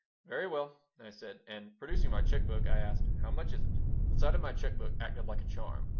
'" "Very well," I said, and, producing my check book, I asked, "How much is it?" The sight of my check book acted like a charm.